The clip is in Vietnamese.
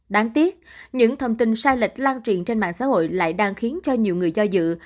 đáng tiếc những thông tin sai lệch lan truyền trên mạng xã hội lại đang khiến cho nhiều người do dự